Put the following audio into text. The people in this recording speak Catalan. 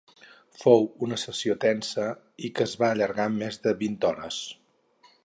Fou una sessió tensa i que es va allargar més de vint hores.